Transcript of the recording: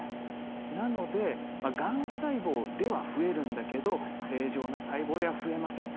なのでがん細胞では増えるんだけど正常な細胞では増えません